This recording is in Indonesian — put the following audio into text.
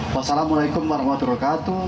wassalamualaikum warahmatullahi wabarakatuh